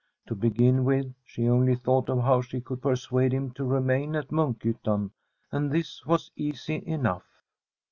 To begin with, she only thought of how she could per suade him to remain at Munkhyttan; and this was easy enough.